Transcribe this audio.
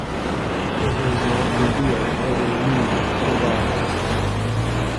It is not revealed whether Reed survives.